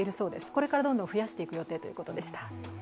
これからどんどん増やしていく予定ということでした。